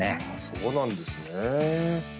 そうなんですね。